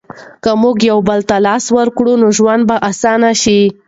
که موږ یو بل ته لاس ورکړو نو ژوند به اسانه شي.